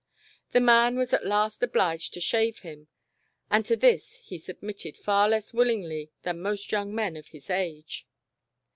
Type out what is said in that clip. The man was at last obliged to shave him, and to this he submit ted far less willingly than most young men of his age.